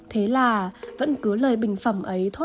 thế là vẫn cứ lời bình phẩm ấy thôi